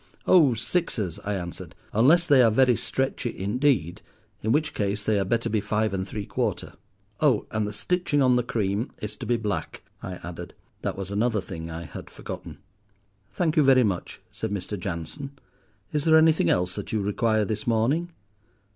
'Oh, sixes,' I answered, 'unless they are very stretchy indeed, in which case they had better be five and three quarter.' "'Oh, and the stitching on the cream is to be black,' I added. That was another thing I had forgotten. "'Thank you very much,' said Mr. Jansen; 'is there anything else that you require this morning?